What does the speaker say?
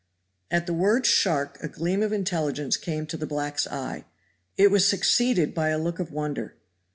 At the word shark a gleam of intelligence came to the black's eye; it was succeeded by a look of wonder.